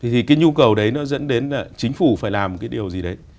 thì cái nhu cầu đấy nó dẫn đến chính phủ phải làm cái điều gì đấy